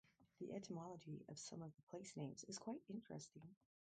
The etymology of some of the place names is quite interesting.